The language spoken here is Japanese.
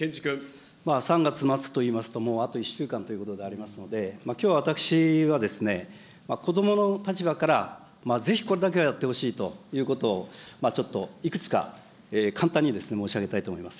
３月末といいますと、もうあと１週間ということでありますので、きょう私は子どもの立場からぜひ、これだけはやってほしいということを、ちょっといくつか簡単に申し上げたいと思います。